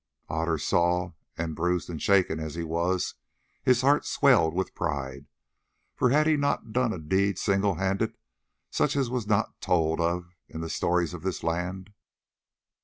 Otter saw, and, bruised and shaken as he was, his heart swelled with pride, for had he not done a deed single handed such as was not told of in the stories of his land?